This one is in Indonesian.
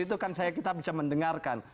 di situ kan saya kita bisa mendengarkan